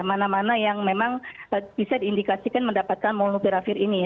mana mana yang memang bisa diindikasikan mendapatkan molnupiravir ini